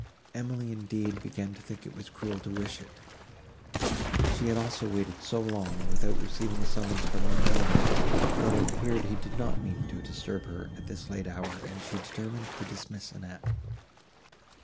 Emily, indeed, began to think it was cruel to wish it; she had also waited so long, without receiving a summons from Montoni, that it appeared he did not mean to disturb her, at this late hour, and she determined to dismiss Annette.